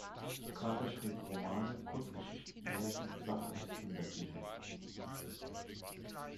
Carter schrieb Romane, Kurzgeschichten, Märchen, Sach- und Kinderbücher.